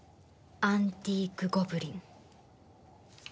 『アンティーク・ゴブリン』。